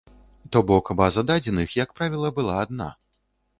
То бок база дадзеных, як правіла, была адна.